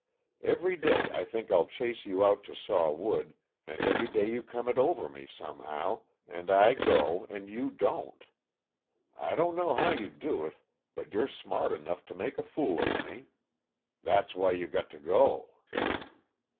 Every day I think I'll chase you out to saw wood, and every day you come it over me somehow, and I go, and you don't. I don't know how you do it, but you're smart enough to make a fool of me. That's why you got to go."